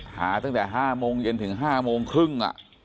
หาตั้งแต่๕โมงเย็นถึง๕โมงครึ่ง